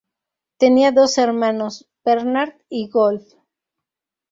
Tenía dos hermanos, Bernd y Wolf.